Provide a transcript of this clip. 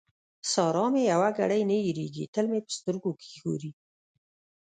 سارا مې په يوه ګړۍ نه هېرېږي؛ تل مې په سترګو کې ښوري.